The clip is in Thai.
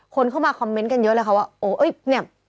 คนเข้ามาคอมเมนต์กันเยอะแหละเขาว่าโอ๊ยเนี่ย